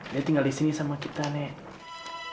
dia tinggal disini sama kita nek